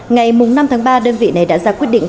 ngày năm tháng ba đơn vị này đã ra quyết định